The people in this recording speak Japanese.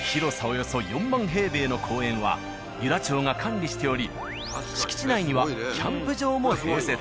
およそ４万平米の公園は由良町が管理しており敷地内にはキャンプ場も併設。